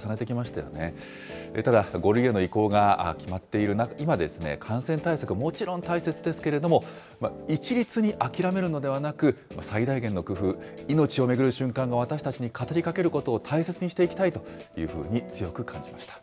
ただ、５類への移行が決まっている今ですね、感染対策、もちろん大切ですけれども、一律に諦めるのではなく、最大限の工夫、命を巡る瞬間が私たちに語りかけることを大切にしていきたいというふうに強く感じました。